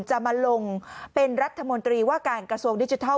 จะมาลงเป็นรัฐมนตรีว่าการกระทรวงดิจิทัล